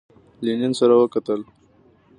لینین سره وکتل.